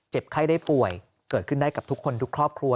ไข้ได้ป่วยเกิดขึ้นได้กับทุกคนทุกครอบครัว